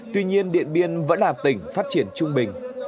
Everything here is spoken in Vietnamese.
tuy nhiên điện biên vẫn là tỉnh phát triển trung bình